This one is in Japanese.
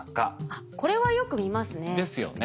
あっこれはよく見ますね。ですよね。